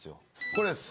これです。